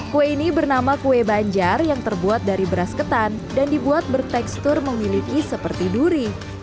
kue ini bernama kue banjar yang terbuat dari beras ketan dan dibuat bertekstur memiliki seperti duri